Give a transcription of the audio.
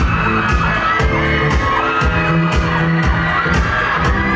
ไม่ต้องถามไม่ต้องถาม